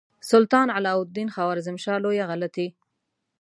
سلطان علاء الدین خوارزمشاه لویه غلطي.